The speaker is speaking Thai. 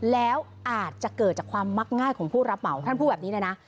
แล้วอาจจะเกิดจากความมักง่ายของผู้รับเหมาท่านพูดแบบนี้เลยนะ